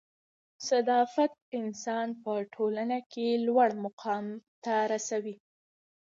صدافت انسان په ټولنه کښي لوړ مقام ته رسوي.